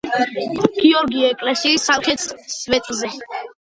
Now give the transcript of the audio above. გიორგის ეკლესიის სამხრეთ სვეტზე.